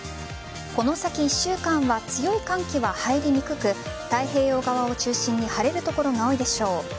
この先１週間は強い寒気は入りにくく太平洋側を中心に晴れる所が多いでしょう。